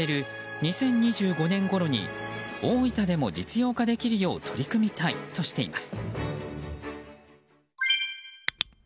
２０２５年ごろに大分でも実用化できるよう取り組みたいとしています。